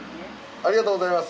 ありがとうございます。